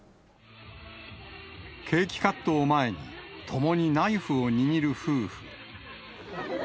ケーキカットを前に、共にナイフを握る夫婦。